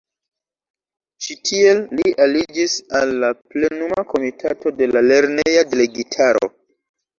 Ĉi tie li aliĝis al la Plenuma Komitato de la lerneja delegitaro.